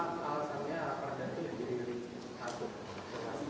dan kenapa alasannya rupanya itu menjadi halus